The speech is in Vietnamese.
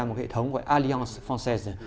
một hệ thống gọi allianz francaise